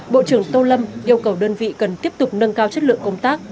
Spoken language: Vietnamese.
bộ trưởng tô lâm yêu cầu đơn vị cần tiếp tục nâng cao chất lượng công tác